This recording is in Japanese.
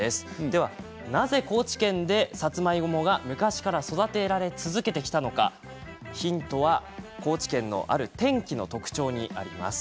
では、なぜ高知県でさつまいもが昔から育てられ続けてきたのかヒントは高知県のある天気の特徴にあります。